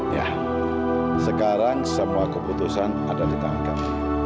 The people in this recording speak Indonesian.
ya sekarang sebuah keputusan ada di tangkap